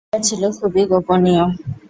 এটা ছিল খুবই গোপনীয়।